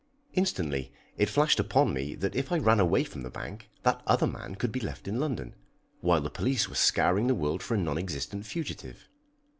Instantly it flashed upon me that if I ran away from the Bank, that other man could be left in London, while the police were scouring the world for a non existent fugitive.